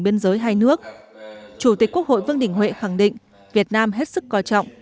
biên giới hai nước chủ tịch quốc hội vương đình huệ khẳng định việt nam hết sức coi trọng